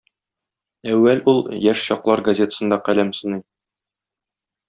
Әүвәл ул "Яшь чаклар" газетасында каләм сыный.